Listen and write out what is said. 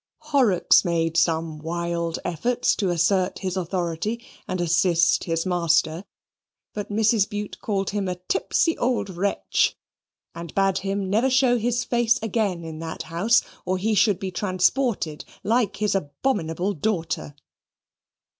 Horrocks made some wild efforts to assert his authority and assist his master; but Mrs. Bute called him a tipsy old wretch and bade him never show his face again in that house, or he should be transported like his abominable daughter.